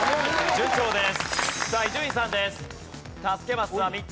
順調です。